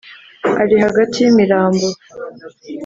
ari hagati y' imirambo,